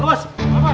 gagah bos gagah bos